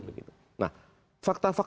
nah fakta fakta apa